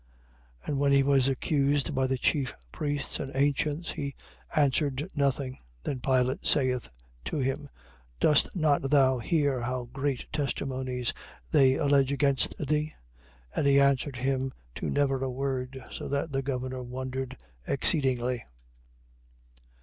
27:12. And when he was accused by the chief priests and ancients, he answered nothing. 27:13. Then Pilate saith to him: Dost not thou hear how great testimonies they allege against thee? 27:14. And he answered him to never a word, so that the governor wondered exceedingly.